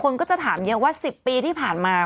คนก็จะถามเยอะว่า๑๐ปีที่ผ่านมา